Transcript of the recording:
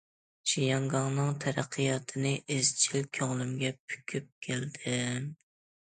شياڭگاڭنىڭ تەرەققىياتىنى ئىزچىل كۆڭلۈمگە پۈكۈپ كەلدىم.